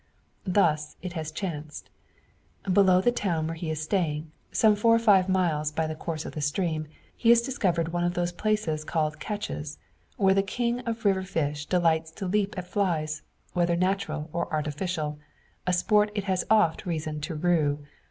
Thus it has chanced: Below the town where he is staying, some four or five miles by the course of the stream, he has discovered one of those places called "catches," where the king of river fish delights to leap at flies, whether natural or artificial a sport it has oft reason to rue.